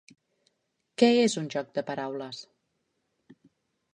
Què és un joc de paraules?